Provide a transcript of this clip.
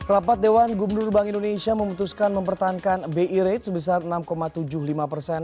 rapat dewan gubernur bank indonesia memutuskan mempertahankan bi rate sebesar enam tujuh puluh lima persen